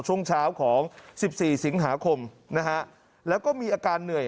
ช่วงเช้าของ๑๔สิงหาคมนะฮะแล้วก็มีอาการเหนื่อย